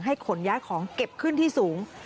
ขนย้ายของเก็บขึ้นที่สูง